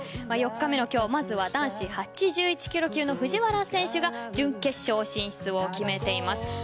４日目の今日はまずは男子８１ｋｇ級の藤原選手が準決勝進出を決めています。